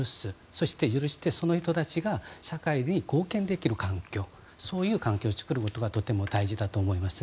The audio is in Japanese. そして許してその人たちが社会に貢献できる環境そういう環境を作ることがとても大事だと思います。